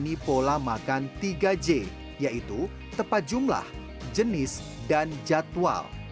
ini pola makan tiga j yaitu tepat jumlah jenis dan jadwal